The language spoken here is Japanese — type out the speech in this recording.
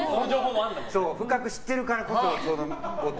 深く知ってるからこその。